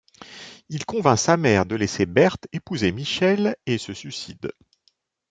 Il convainc sa mère de laisser Berthe épouser Michel et se suicide.